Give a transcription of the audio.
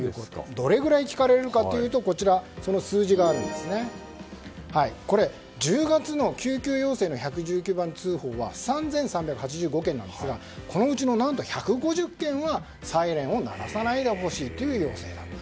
どれぐらい聞かれるかというと１０月の救急要請の１１９番通報は３３８５件なんですが何と、このうちの１５０件はサイレンを鳴らさないでほしいという要請なんです。